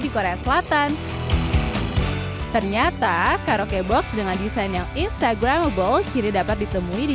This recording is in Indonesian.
di korea selatan ternyata karaoke box dengan desain yang instagramable ciri dapat ditemui di